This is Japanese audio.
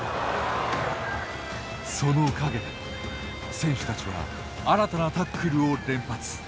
その影で選手たちは新たなタックルを連発。